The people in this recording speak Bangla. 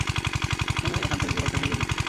তুমি এখানে থেকে কেবল ফ্যামিলি বিজনেসটা শিখো।